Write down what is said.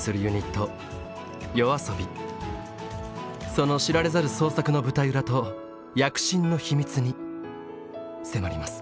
その知られざる創作の舞台裏と躍進の秘密に迫ります。